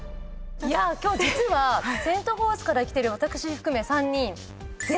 今日実はセント・フォースから来てる私含め３人。